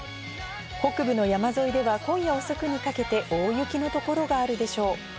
北部の山沿いでは今夜遅くにかけて大雪のところがあるでしょう。